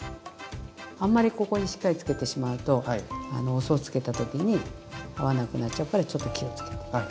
あんまりここにしっかりつけてしまうとあのおソースつけた時に合わなくなっちゃうからちょっと気をつけて。